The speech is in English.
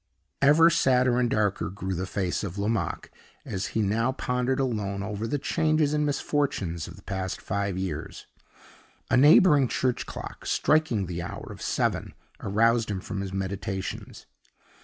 Ever sadder and darker grew the face of Lomaque as he now pondered alone over the changes and misfortunes of the past five years. A neighboring church clock striking the hour of seven aroused him from his meditations.